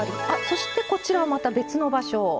そしてこちらはまた別の場所。